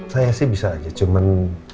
saya sih bisa aja cuman